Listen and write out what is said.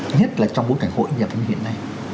thứ nhất là trong bối cảnh hội nhập như hiện nay